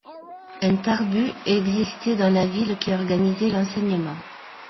Un Tarbut existait dans la ville qui organisait l'enseignement.